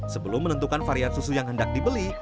sebelum menentukan varian susu yang hendak dibeli